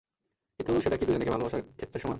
কিন্তু সেটা কি দুই নারীকে ভালোবাসার ক্ষেতে সমান?